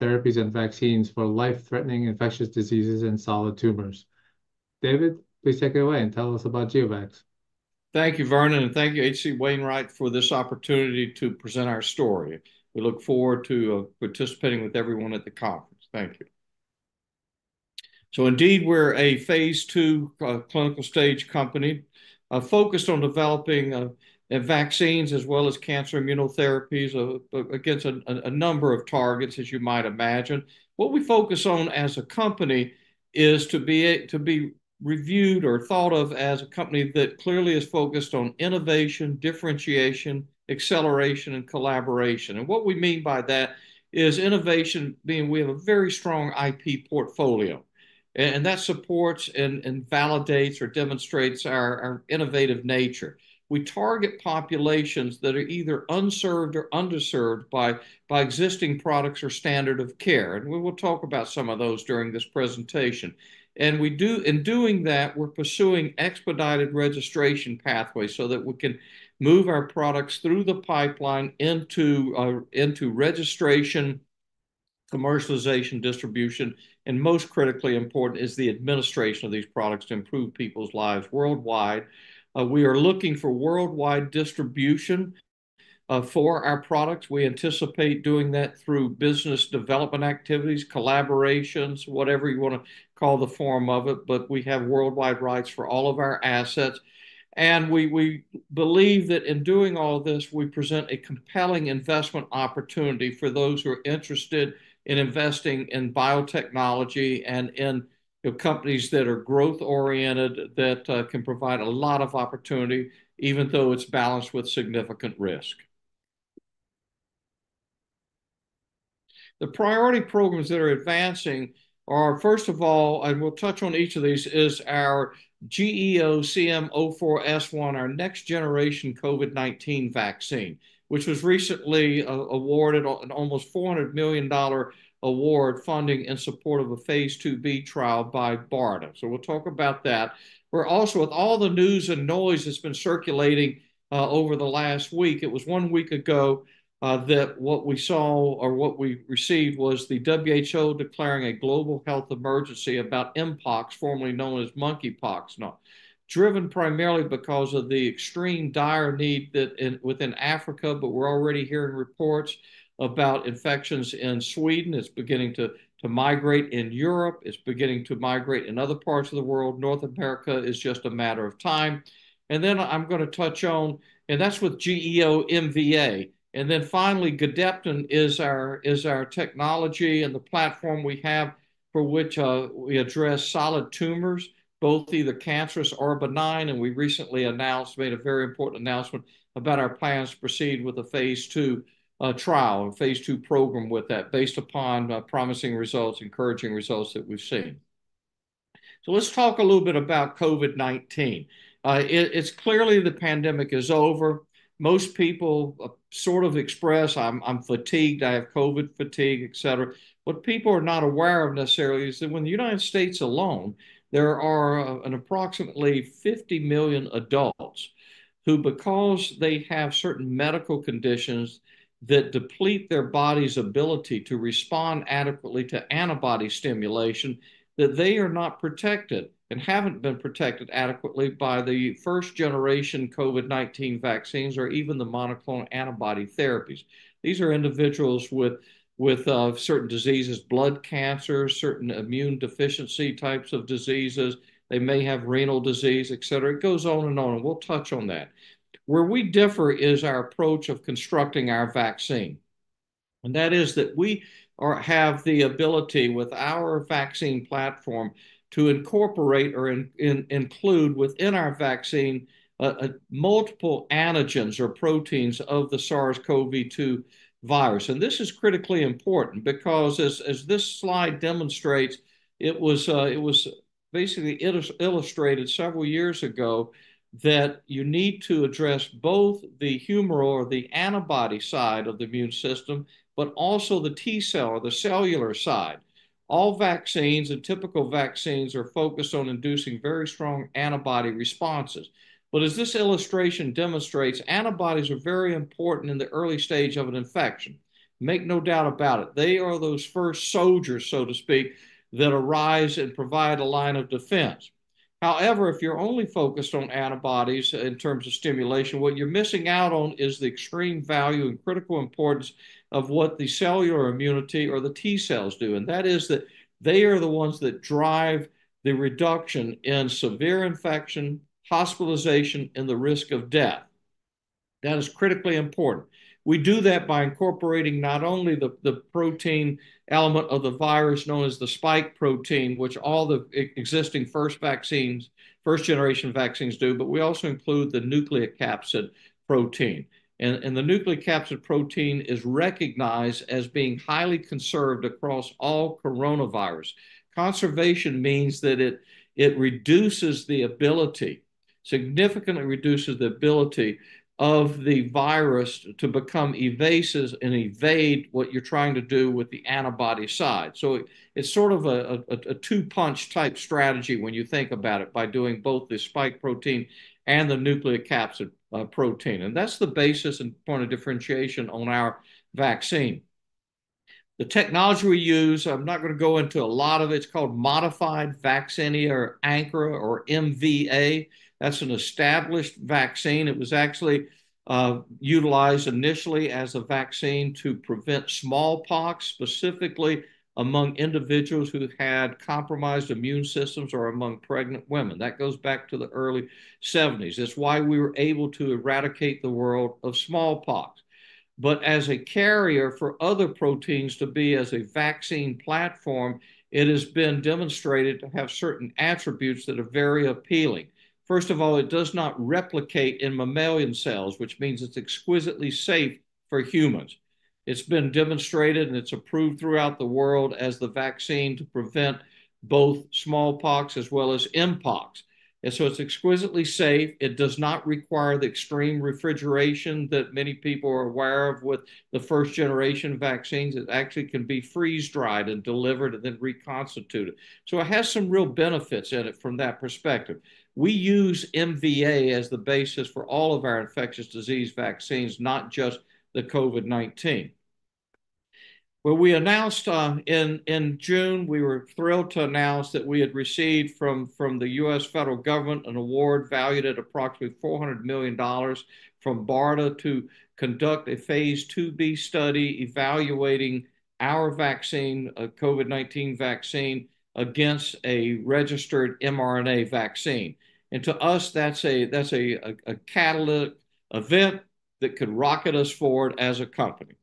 Therapies and vaccines for life-threatening infectious diseases and solid tumors. David, please take it away and tell us about GeoVax. Thank you, Vernon, and thank you, H.C. Wainwright, for this opportunity to present our story. We look forward to participating with everyone at the conference. Thank you. So indeed, we're a phase II clinical stage company focused on developing vaccines as well as cancer immunotherapies against a number of targets, as you might imagine. What we focus on as a company is to be reviewed or thought of as a company that clearly is focused on innovation, differentiation, acceleration, and collaboration. And what we mean by that is innovation, being we have a very strong IP portfolio and that supports and validates or demonstrates our innovative nature. We target populations that are either unserved or underserved by existing products or standard of care, and we will talk about some of those during this presentation. We do in doing that, we're pursuing expedited registration pathways so that we can move our products through the pipeline into registration, commercialization, distribution, and most critically important is the administration of these products to improve people's lives worldwide. We are looking for worldwide distribution for our products. We anticipate doing that through business development activities, collaborations, whatever you want to call the form of it, but we have worldwide rights for all of our assets. We believe that in doing all this, we present a compelling investment opportunity for those who are interested in investing in biotechnology and in the companies that are growth oriented, that can provide a lot of opportunity, even though it's balanced with significant risk. The priority programs that are advancing are, first of all, and we'll touch on each of these, is our GEO-CM04S1, our next generation COVID-19 vaccine, which was recently awarded a, an almost $400 million award funding in support of a phase IIb trial by BARDA, so we'll talk about that. We're also, with all the news and noise that's been circulating over the last week, it was one week ago that what we saw or what we received was the WHO declaring a global health emergency about mpox, formerly known as monkeypox. Now, driven primarily because of the extreme dire need within Africa, but we're already hearing reports about infections in Sweden. It's beginning to migrate in Europe, it's beginning to migrate in other parts of the world. North America is just a matter of time. And then I'm going to touch on... And that's with GEO-MVA. And then finally, Gedeptin is our technology and the platform we have for which we address solid tumors, both either cancerous or benign, and we recently made a very important announcement about our plans to proceed with the phase II trial, a phase II program with that, based upon promising results, encouraging results that we've seen. Let's talk a little bit about COVID-19. It's clearly the pandemic is over. Most people sort of express, "I'm fatigued, I have COVID fatigue," etc. What people are not aware of necessarily is that in the United States alone, there are an approximately 50 million adults who, because they have certain medical conditions that deplete their body's ability to respond adequately to antibody stimulation, that they are not protected and haven't been protected adequately by the first generation COVID-19 vaccines or even the monoclonal antibody therapies. These are individuals with certain diseases, blood cancer, certain immune deficiency types of diseases. They may have renal disease, etc. It goes on and on, and we'll touch on that. Where we differ is our approach of constructing our vaccine, and that is that we have the ability with our vaccine platform to incorporate or include within our vaccine multiple antigens or proteins of the SARS-CoV-2 virus. And this is critically important because as this slide demonstrates, it was basically illustrated several years ago that you need to address both the humoral or the antibody side of the immune system, but also the T cell or the cellular side. All vaccines and typical vaccines are focused on inducing very strong antibody responses. But as this illustration demonstrates, antibodies are very important in the early stage of an infection. Make no doubt about it, they are those first soldiers, so to speak, that arise and provide a line of defense. However, if you're only focused on antibodies in terms of stimulation, what you're missing out on is the extreme value and critical importance of what the cellular immunity or the T cells do, and that is that they are the ones that drive the reduction in severe infection, hospitalization, and the risk of death. That is critically important. We do that by incorporating not only the protein element of the virus, known as the spike protein, which all the existing first vaccines, first generation vaccines do, but we also include the nucleocapsid protein, and the nucleocapsid protein is recognized as being highly conserved across all coronavirus. Conservation means that it significantly reduces the ability of the virus to become evasive and evade what you're trying to do with the antibody side. It's sort of a two-punch type strategy when you think about it, by doing both the spike protein and the nucleocapsid protein, and that's the basis and point of differentiation on our vaccine. The technology we use, I'm not going to go into a lot of it. It's called modified Vaccinia Ankara or MVA. That's an established vaccine. It was actually utilized initially as a vaccine to prevent smallpox, specifically among individuals who had had compromised immune systems or among pregnant women. That goes back to the early 1970s. That's why we were able to eradicate the world of smallpox. But as a carrier for other proteins to be as a vaccine platform, it has been demonstrated to have certain attributes that are very appealing. First of all, it does not replicate in mammalian cells, which means it's exquisitely safe for humans. It's been demonstrated, and it's approved throughout the world as the vaccine to prevent both smallpox as well as mpox. And so it's exquisitely safe. It does not require the extreme refrigeration that many people are aware of with the first-generation vaccines. It actually can be freeze-dried and delivered, and then reconstituted. So it has some real benefits in it from that perspective. We use MVA as the basis for all of our infectious disease vaccines, not just the COVID-19. Well, we announced in June, we were thrilled to announce that we had received from the U.S. federal government an award valued at approximately $400 million from BARDA to conduct a phase IIb study evaluating our vaccine, a COVID-19 vaccine, against a registered mRNA vaccine. And to us, that's a catalytic event that could rocket us forward as a company.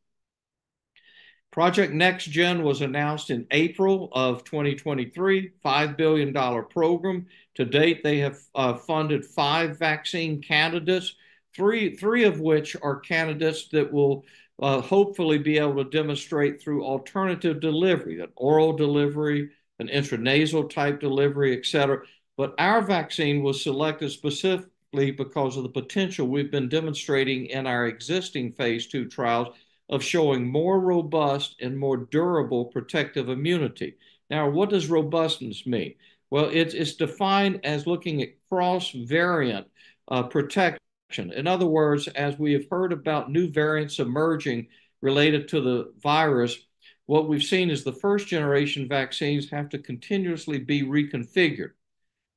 Project NextGen was announced in April of 2023, $5 billion program. To date, they have funded 5 vaccine candidates, 3 of which are candidates that will hopefully be able to demonstrate through alternative delivery, an oral delivery, an intranasal-type delivery, et cetera. But our vaccine was selected specifically because of the potential we've been demonstrating in our existing phase II trials of showing more robust and more durable protective immunity. Now, what does robustness mean? Well, it's defined as looking at cross-variant protection. In other words, as we have heard about new variants emerging related to the virus, what we've seen is the first-generation vaccines have to continuously be reconfigured.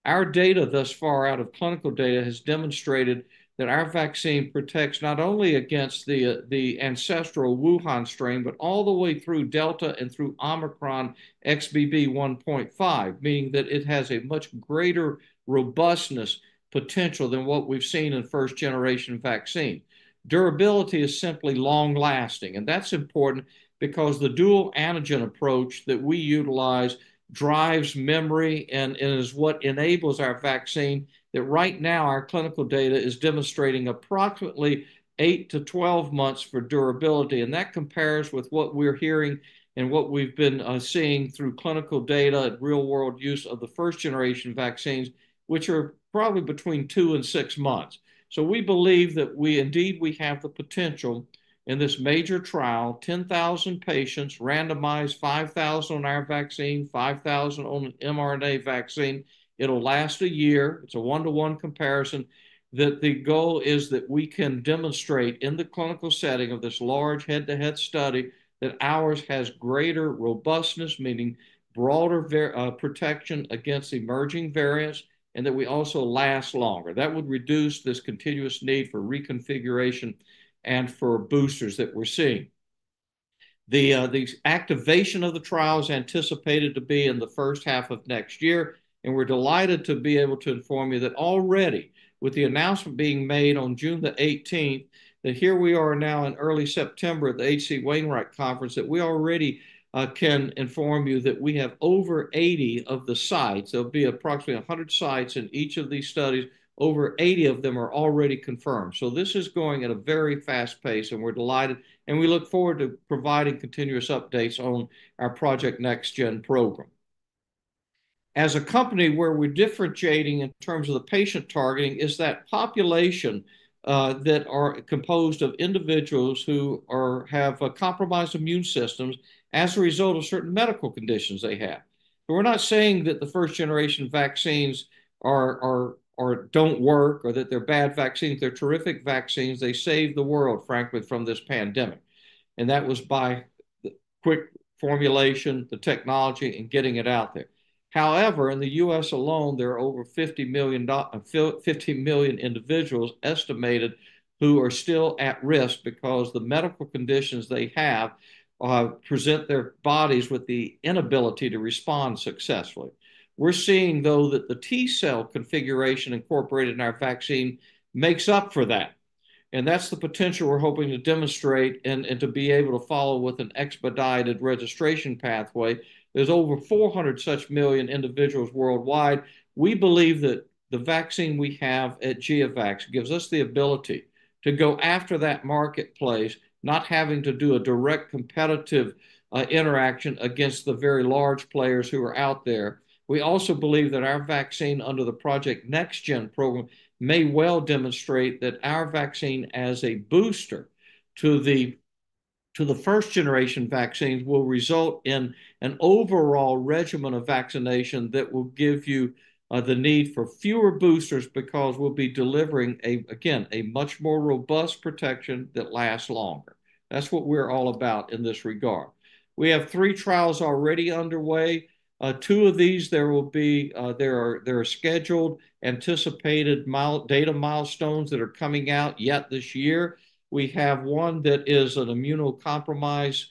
Our data thus far out of clinical data has demonstrated that our vaccine protects not only against the ancestral Wuhan strain, but all the way through Delta and through Omicron XBB.1.5, meaning that it has a much greater robustness potential than what we've seen in first-generation vaccine. Durability is simply long-lasting, and that's important because the dual antigen approach that we utilize drives memory and is what enables our vaccine that right now our clinical data is demonstrating approximately eight to 12 months for durability. And that compares with what we're hearing and what we've been seeing through clinical data and real-world use of the first-generation vaccines, which are probably between two and six months. So we believe that we indeed we have the potential in this major trial, 10,000 patients, randomized 5,000 on our vaccine, 5,000 on an mRNA vaccine. It'll last a year. It's a one-to-one comparison, that the goal is that we can demonstrate in the clinical setting of this large head-to-head study, that ours has greater robustness, meaning broader protection against emerging variants, and that we also last longer. That would reduce this continuous need for reconfiguration and for boosters that we're seeing. The activation of the trial is anticipated to be in the first half of next year, and we're delighted to be able to inform you that already, with the announcement being made on June the eighteenth, that here we are now in early September at the H.C. Wainwright Conference, that we already can inform you that we have over 80 of the sites. There'll be approximately 100 sites in each of these studies. Over 80 of them are already confirmed. So this is going at a very fast pace, and we're delighted, and we look forward to providing continuous updates on our Project NextGen program. As a company, where we're differentiating in terms of the patient targeting is that population that are composed of individuals who have compromised immune systems as a result of certain medical conditions they have. But we're not saying that the first-generation vaccines are don't work or that they're bad vaccines. They're terrific vaccines. They saved the world, frankly, from this pandemic, and that was by the quick formulation, the technology, and getting it out there. However, in the U.S. alone, there are over 50 million individuals estimated who are still at risk because the medical conditions they have present their bodies with the inability to respond successfully. We're seeing, though, that the T cell configuration incorporated in our vaccine makes up for that, and that's the potential we're hoping to demonstrate and to be able to follow with an expedited registration pathway. There's over 400 million such individuals worldwide. We believe that the vaccine we have at GeoVax gives us the ability to go after that marketplace, not having to do a direct competitive interaction against the very large players who are out there. We also believe that our vaccine, under the Project NextGen program, may well demonstrate that our vaccine as a booster to the first generation vaccines will result in an overall regimen of vaccination that will give you the need for fewer boosters, because we'll be delivering a, again, a much more robust protection that lasts longer. That's what we're all about in this regard. We have three trials already underway. Two of these, there are scheduled, anticipated milestone data milestones that are coming out yet this year. We have one that is an immunocompromised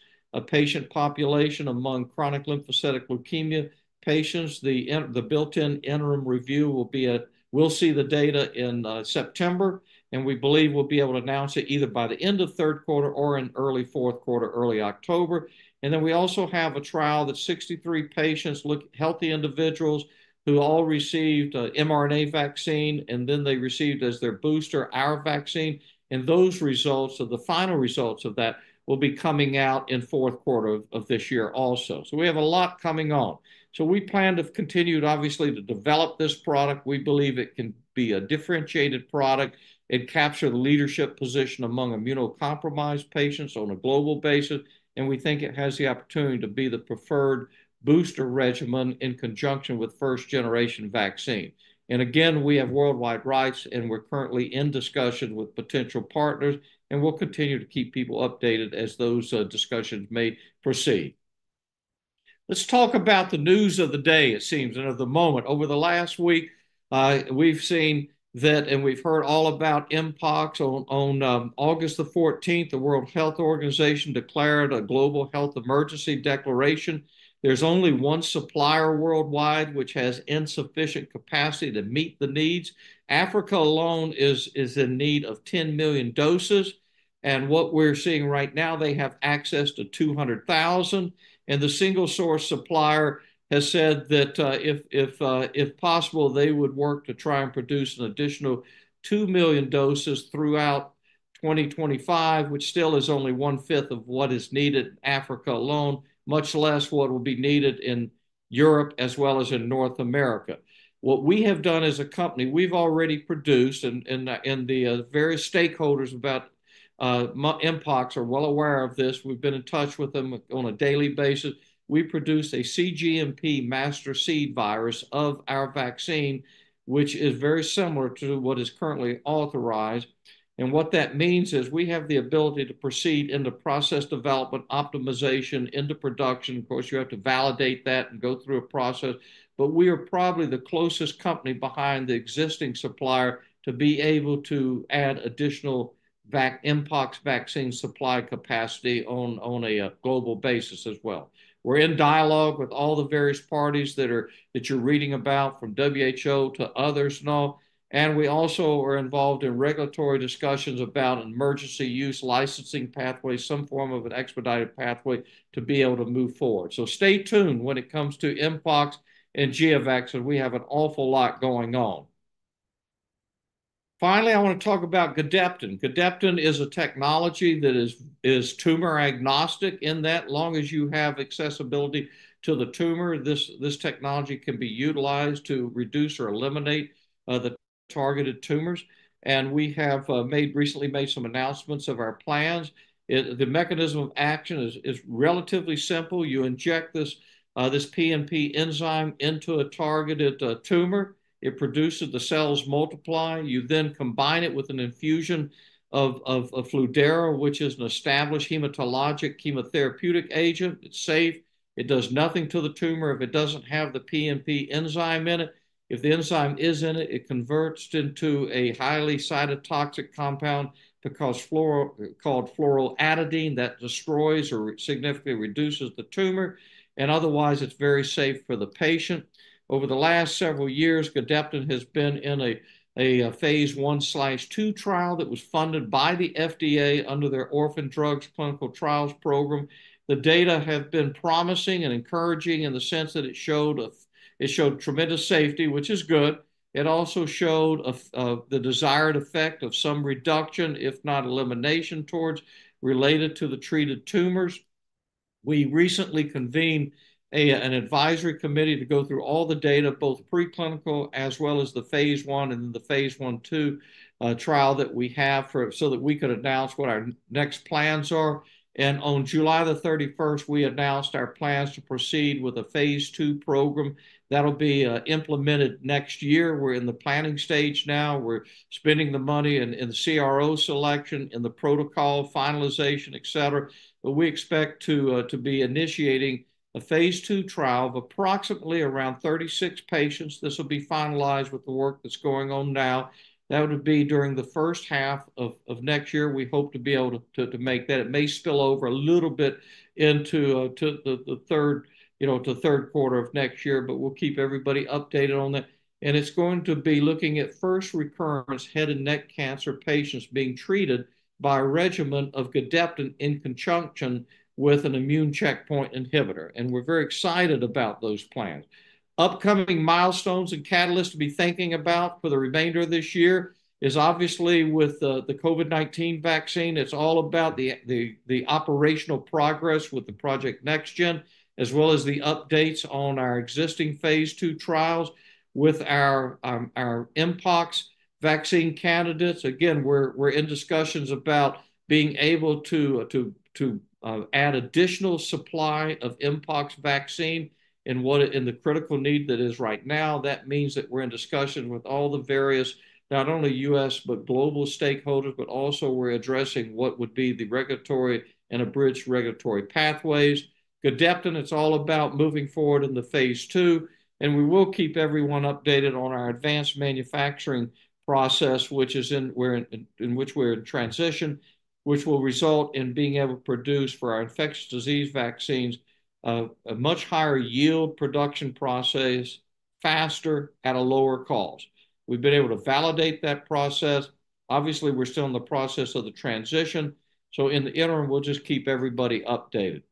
patient population among chronic lymphocytic leukemia patients. The built-in interim review will be we'll see the data in September, and we believe we'll be able to announce it either by the end of Q3 or in early Q4, early October. Then we also have a trial that 63 patients, look, healthy individuals, who all received a mRNA vaccine, and then they received as their booster, our vaccine. And those results, so the final results of that, will be coming out in Q4 of this year also. We have a lot coming on. We plan to continue, obviously, to develop this product. We believe it can be a differentiated product and capture the leadership position among immunocompromised patients on a global basis, and we think it has the opportunity to be the preferred booster regimen in conjunction with first-generation vaccine. And again, we have worldwide rights, and we're currently in discussion with potential partners, and we'll continue to keep people updated as those discussions may proceed. Let's talk about the news of the day, it seems, and of the moment. Over the last week, we've seen that, and we've heard all about mpox. On August the fourteenth, the World Health Organization declared a global health emergency declaration. There's only one supplier worldwide which has insufficient capacity to meet the needs. Africa alone is in need of ten million doses, and what we're seeing right now, they have access to two hundred thousand. The single-source supplier has said that, if possible, they would work to try and produce an additional 2 million doses throughout 2025, which still is only one-fifth of what is needed in Africa alone, much less what will be needed in Europe as well as in North America. What we have done as a company, we've already produced, and the various stakeholders about mpox are well aware of this. We've been in touch with them on a daily basis. We produce a cGMP master seed virus of our vaccine, which is very similar to what is currently authorized. What that means is we have the ability to proceed in the process development, optimization into production. Of course, you have to validate that and go through a process, but we are probably the closest company behind the existing supplier to be able to add additional mpox vaccine supply capacity on a global basis as well. We're in dialogue with all the various parties that you're reading about, from WHO to others, you know, and we also are involved in regulatory discussions about emergency use licensing pathways, some form of an expedited pathway to be able to move forward. So stay tuned when it comes to mpox and GeoVax, and we have an awful lot going on. Finally, I want to talk about Gadeptin. Gadeptin is a technology that is tumor agnostic, in that as long as you have accessibility to the tumor, this technology can be utilized to reduce or eliminate the targeted tumors. We have made recently some announcements of our plans. The mechanism of action is relatively simple. You inject this PNP enzyme into a targeted tumor. It produces. The cells multiply. You then combine it with an infusion of Fludara, which is an established hematologic chemotherapeutic agent. It's safe. It does nothing to the tumor if it doesn't have the PMP enzyme in it. If the enzyme is in it, it converts into a highly cytotoxic compound called fluorouridine that destroys or significantly reduces the tumor, and otherwise, it's very safe for the patient. Over the last several years, Gadeptin has been in a phase I/II trial that was funded by the FDA under their orphan drug clinical trials program. The data have been promising and encouraging in the sense that it showed tremendous safety, which is good. It also showed the desired effect of some reduction, if not elimination, towards related to the treated tumors. We recently convened an advisory committee to go through all the data, both preclinical as well as the phase one and the phase one/two trial that we have so that we could announce what our next plans are. On July the thirty-first, we announced our plans to proceed with the phase two program. That'll be implemented next year. We're in the planning stage now. We're spending the money in the CRO selection, in the protocol finalization, et cetera. But we expect to be initiating a phase two trial of approximately around thirty-six patients. This will be finalized with the work that's going on now. That would be during the first half of next year. We hope to be able to make that. It may spill over a little bit into the third, you know, to the Q3 of next year, but we'll keep everybody updated on that. And it's going to be looking at first recurrence head and neck cancer patients being treated by a regimen of Gadeptin in conjunction with an immune checkpoint inhibitor, and we're very excited about those plans. Upcoming milestones and catalysts to be thinking about for the remainder of this year is obviously with the COVID-19 vaccine. It's all about the operational progress with the Project NextGen, as well as the updates on our existing phase II trials with our mpox vaccine candidates. Again, we're in discussions about being able to add additional supply of mpox vaccine and the critical need that is right now. That means that we're in discussion with all the various, not only U.S., but global stakeholders, but also we're addressing what would be the regulatory and abridged regulatory pathways. Gadeptin, it's all about moving forward in the phase II, and we will keep everyone updated on our advanced manufacturing process, which we're in transition, which will result in being able to produce for our infectious disease vaccines, a much higher yield production process, faster, at a lower cost. We've been able to validate that process. Obviously, we're still in the process of the transition, so in the interim, we'll just keep everybody updated.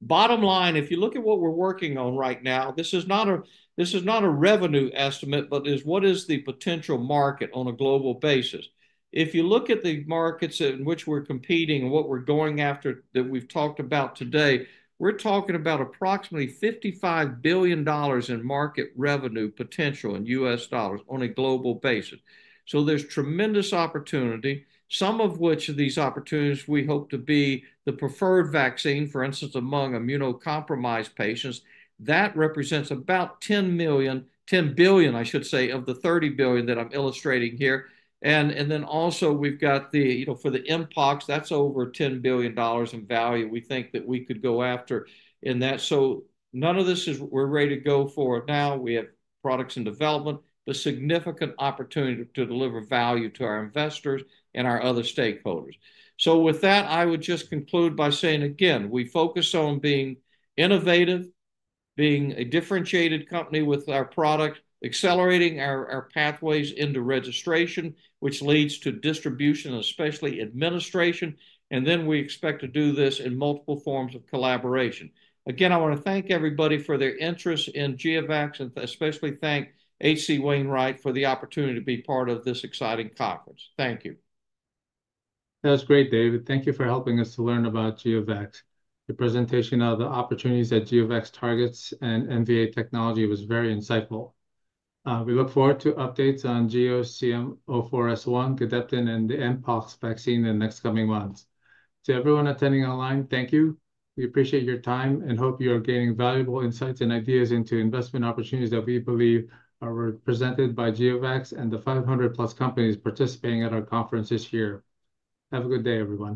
Bottom line, if you look at what we're working on right now, this is not a, this is not a revenue estimate, but is what is the potential market on a global basis. If you look at the markets in which we're competing and what we're going after that we've talked about today, we're talking about approximately $55 billion in market revenue potential in US dollars on a global basis. So there's tremendous opportunity, some of which these opportunities we hope to be the preferred vaccine, for instance, among immunocompromised patients. That represents about 10 million - 10 billion, I should say, of the 30 billion that I'm illustrating here. And then also, we've got, you know, for the Mpox, that's over $10 billion in value we think that we could go after in that. So none of this is we're ready to go for it now. We have products in development, but significant opportunity to deliver value to our investors and our other stakeholders. So with that, I would just conclude by saying, again, we focus on being innovative, being a differentiated company with our product, accelerating our pathways into registration, which leads to distribution, especially administration, and then we expect to do this in multiple forms of collaboration. Again, I want to thank everybody for their interest in GeoVax, and especially thank H.C. Wainwright for the opportunity to be part of this exciting conference. Thank you. That was great, David. Thank you for helping us to learn about GeoVax. Your presentation of the opportunities that GeoVax targets and MVA technology was very insightful. We look forward to updates on GEO-CM04S1, Gedeptin, and the mpox vaccine in the next coming months. To everyone attending online, thank you. We appreciate your time and hope you are gaining valuable insights and ideas into investment opportunities that we believe are represented by GeoVax and the five hundred plus companies participating at our conference this year. Have a good day, everyone.